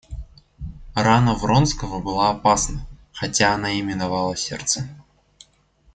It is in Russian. Рана Вронского была опасна, хотя она и миновала сердце.